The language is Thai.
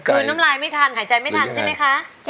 คือน้ำลายไม่ทันหายใจไม่ทันใช่ไหมคะ